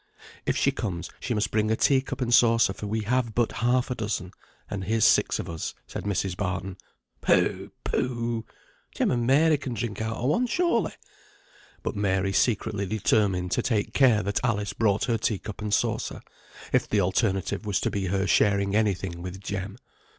"If she comes she must bring a tea cup and saucer, for we have but half a dozen, and here's six of us," said Mrs. Barton. "Pooh! pooh! Jem and Mary can drink out of one, surely." But Mary secretly determined to take care that Alice brought her tea cup and saucer, if the alternative was to be her sharing any thing with Jem.